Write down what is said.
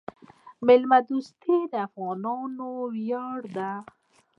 میلمه دوستي د افغانانو ویاړ دی.